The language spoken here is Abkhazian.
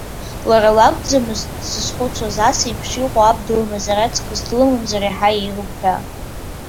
Лара лакәӡамыз сзызхәыцуаз, ас еиԥш иҟоу аб длымазар аҵкыс, длымаӡамзар иаҳа еиӷьуп ҳәа?